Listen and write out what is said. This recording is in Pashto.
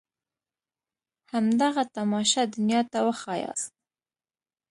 همدغه تماشه دنيا ته وښاياست.